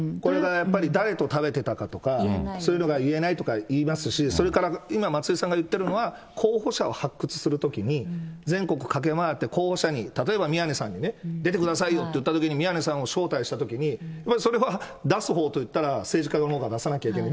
やっぱり、誰と食べてたかとか、そういうのが言えないとかいいますし、それから、今松井さんが言ってるのは、候補者を発掘するときに、全国駆け回って候補者に、例えば宮根さんにね、出てくださいよっていったときに、宮根さんを招待したときに、それは出すほうといったら、政治家のほうが出さなきゃいけない。